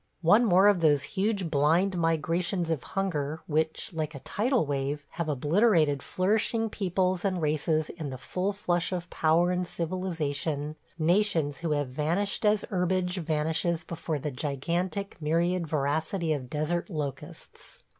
One more of those huge, blind migrations of hunger which, like a tidal wave, have obliterated flourishing peoples and races in the full flush of power and civilization, nations who have vanished as herbage vanishes before the gigantic, myriad voracity of desert locusts.